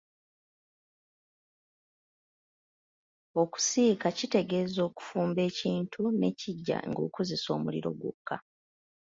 Okusiika kitegeeza “okufumba ekintu ne kiggya ng'okozesa omuliro gwokka.